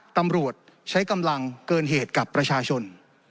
ตำรวจใช้กำลังเกินเหตุกับประชาชน